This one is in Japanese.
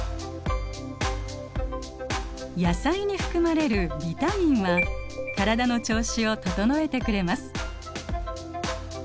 野菜に含まれるビタミンは体の調子を整えてくれます。